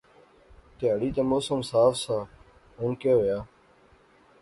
تیہاڑی تے موسم صاف سا ہُن کہہ ہویا